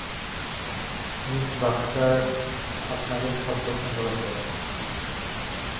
Miss Baxter আপনাদের সব প্রশ্নের জবাব দেবেন।